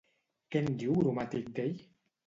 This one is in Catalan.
Què en diu Gromàtic d'ell?